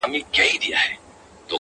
• اوس د شمعي په لمبه کي ټګي سوځي ,